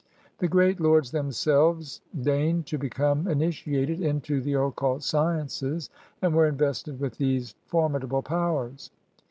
The great lords themselves deigned to become initiated into the occult sciences and were invested with these formid able powers.